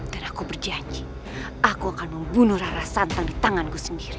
dan aku berjanji aku akan membunuh rara santang di tanganku sendiri